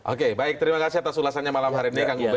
oke baik terima kasih atas ulasannya malam hari ini kang ubed